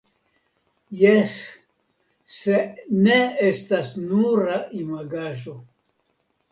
Jes, se ne estas nura imagaĵo.